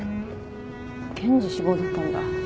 検事志望だったんだ。